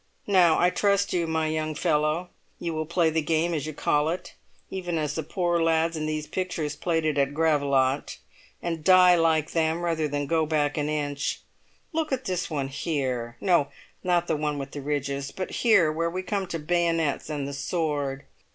Now I trust you, my young fellow; you will play the game, as you call it, even as the poor lads in these pictures played it at Gravelotte, and die like them rather than go back an inch. Look at this one here. No, not the one with the ridges, but here where we come to bayonets and the sword.